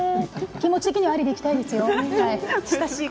気持ち的にはありでいきたいですよ。